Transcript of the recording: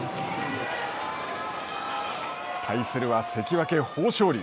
対するは関脇・豊昇龍。